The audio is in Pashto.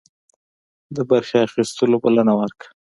د برخي اخیستلو بلنه ورکړه.